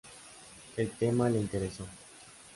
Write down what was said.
El tema le interesó.